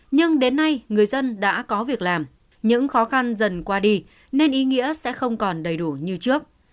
nhưng đến nay người dân đã có việc làm những khó khăn dần qua đi nên ý nghĩa sẽ không còn đầy đủ như trước